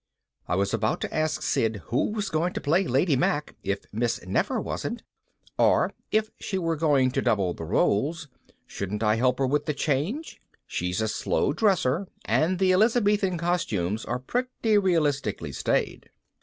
I was about to ask Sid who was going to play Lady Mack if Miss Nefer wasn't, or, if she were going to double the roles, shouldn't I help her with the change? She's a slow dresser and the Elizabeth costumes are pretty realistically stayed.